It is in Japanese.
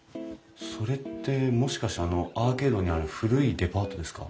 それってもしかしてアーケードにある古いデパートですか？